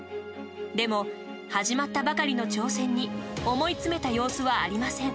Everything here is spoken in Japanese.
でも、始まったばかりの挑戦に思いつめた様子はありません。